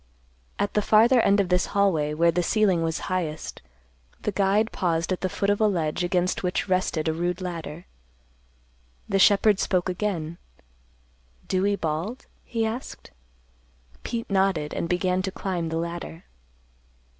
At the farther end of this hallway where the ceiling was highest, the guide paused at the foot of a ledge against which rested a rude ladder. The shepherd spoke again, "Dewey Bald?" he asked. Pete nodded, and began to climb the ladder.